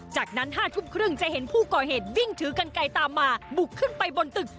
จากนั้น๕ทุ่มครึ่งจะเห็นผู้ก่อเหตุวิ่งถือกันไกลตามมาบุกขึ้นไปบนตึก